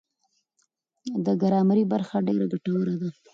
دا ګرامري برخه ډېره ګټوره ده.